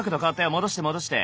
戻して戻して。